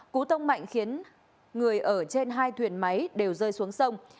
cú tông mạnh khiến người ở trên hai thuyền máy đều rơi xuống sông